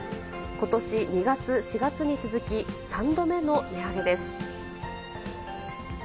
ことし２月、４月に続き、３度目の値上げです。